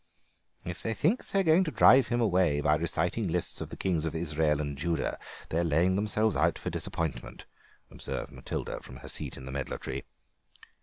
"If they think they're going to drive him away by reciting lists of the kings of Israel and Judah they're laying themselves out for disappointment," observed Matilda from her seat in the medlar tree.